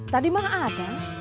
tadi mah ada